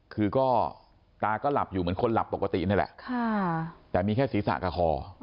คือก็ตาก็หลับอยู่เหมือนคนหลับปกตินี่แหละแต่มีแค่ศีรษะกับคอ